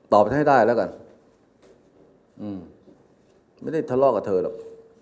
ไปให้ได้แล้วกันอืมไม่ได้ทะเลาะกับเธอหรอก